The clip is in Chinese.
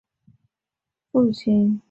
张謇的父亲为张彭年。